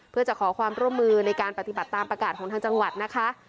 เพื่อจะขอความร่วมมือในการปฏิบัติตามประกาศของทางจังหวัดนะคะ